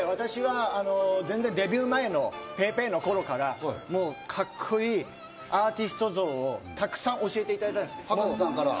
私はデビュー前のペーペーの頃から、カッコいいアーティスト像をたくさん教えていただいたんです。